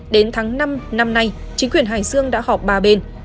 đến tháng năm năm nay chính quyền hải dương đã họp ba bên